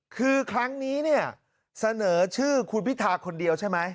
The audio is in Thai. คือครั้งนี้เนี่ยเสนอชื่อคุณพิธาคนเดียวใช่ไหม